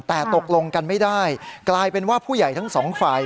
แต่ตกลงกันไม่ได้กลายเป็นว่าผู้ใหญ่ทั้งสองฝ่าย